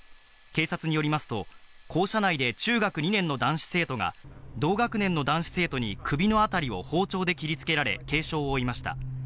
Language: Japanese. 警察によりますと、校舎内で中学２年の男子生徒が、同学年の男子生徒に首の辺りを包丁で切りつけられ、軽傷を負いました。